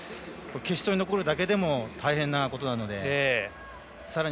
決勝に残るだけでも大変なことなのでさらに